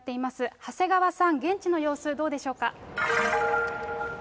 長谷川さん、現地の様子、どうでしょうか？